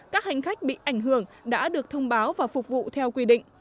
các hành khách bị ảnh hưởng đã được thông báo và phục vụ theo quy định